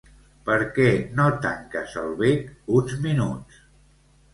Per què no tanques el bec uns minuts?